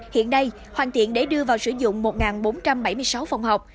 hiện đây hoàn thiện để đưa vào sử dụng một bốn trăm bảy mươi sáu phòng học